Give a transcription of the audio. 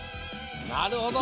なるほど！